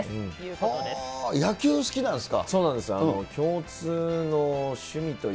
野球好きなんですか？